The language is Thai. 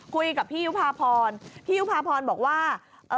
คุยกับพี่ยุภาพรพี่ยุภาพรบอกว่า